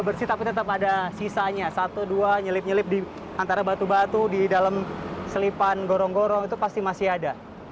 yang suka betul bagi kita seperti masa sekarang itu di koin hubungan ant mythical